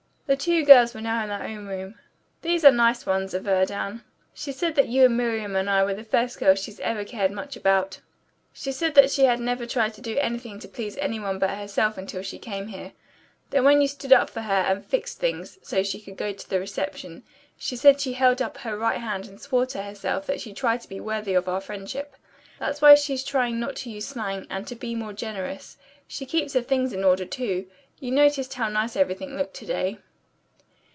The two girls were now in their own room. "These are nice ones," averred Anne. "She said that you and Miriam and I were the first girls she'd ever cared much about. She said that she had never tried to do anything to please any one but herself until she came here. Then when you stood up for her, and fixed things so she could go to the reception, she said she held up her right hand and swore to herself that she'd try to be worthy of our friendship. That's why she's trying not to use slang, and to be more generous. She keeps her things in order, too. You noticed how nice everything looked to day."